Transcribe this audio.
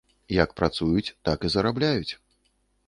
Як працуюць, так і зарабляюць.